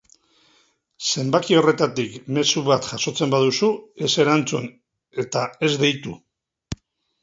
Zenbaki horretatik mezu bat jasotzen baduzu, ez erantzun, eta ez deitu.